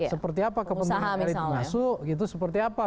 seperti apa kepentingan yang masuk gitu seperti apa